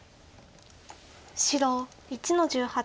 白１の十八。